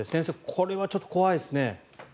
これはちょっと怖いですね。